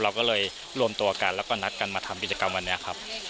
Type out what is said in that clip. เราก็เลยรวมตัวกันแล้วก็นัดกันมาทำกิจกรรมวันนี้ครับ